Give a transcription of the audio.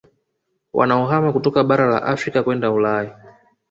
Wanaohama kutoka Bara la Afrika kwenda Ulaya